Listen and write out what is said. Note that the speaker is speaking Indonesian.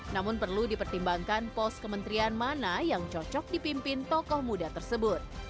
namun perlu dipertimbangkan pos kementerian mana yang cocok dipimpin tokoh muda tersebut